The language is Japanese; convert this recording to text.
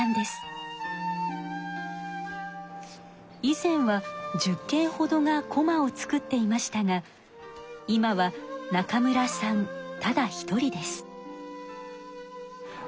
以前は１０けんほどがこまを作っていましたが今は中村さんただ一人です。